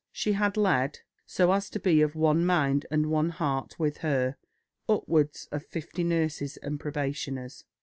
She had led, so as to be of one mind and one heart with her, upwards of fifty nurses and probationers....